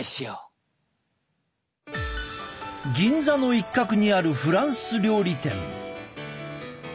銀座の一角にあるフランス料理店。